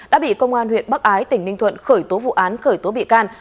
đã bị công an huyện bắc ái tỉnh ninh thuận khởi tố vụ án khởi tố bị can